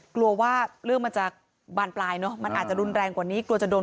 กลัวว่าเรื่องมันจะบานปลายเนอะมันอาจจะรุนแรงกว่านี้กลัวจะโดน